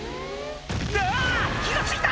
うわ火が付いた！